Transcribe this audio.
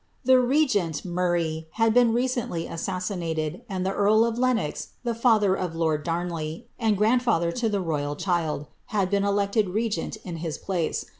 The regent, Murray, had been recendy assassinated, and the earl of Leno.\, the father of lord Darnley, and granilfalher to the royal diili had been elected regent in his place.